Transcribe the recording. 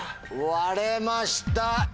割れました！